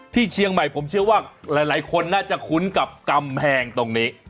ที่เชียงใหม่ผมเชื่อว่าหลายคนน่าจะคุ้นกับกำแพงตรงนี้